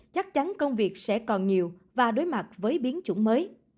chắc chắn công việc sẽ còn nhiều và đối mặt với biến chủng mới